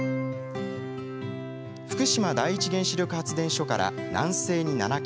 福島第一原子力発電所から南西に７ｋｍ。